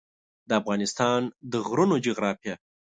د افغانستان د غرونو جغرافیه